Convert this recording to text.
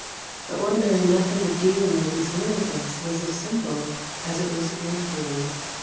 The ordinary method of dealing with these lunatics was as simple as it was irritating.